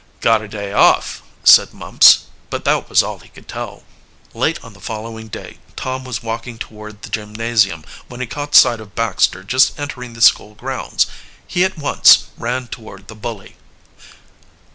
"Got a day off," said Mumps, but that was all he could tell. Late on the following day Tom was walking toward the gymnasium when he caught sight of Baxter just entering the school grounds. He at once ran toward the bully.